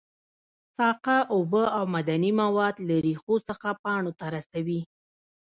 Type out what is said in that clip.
ساقه اوبه او معدني مواد له ریښو څخه پاڼو ته رسوي